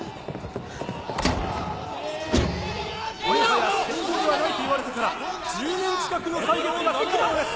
「もはや戦後ではない」と言われてから１０年近くの歳月が過ぎたのです。